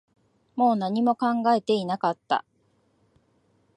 もう何も考えていなかった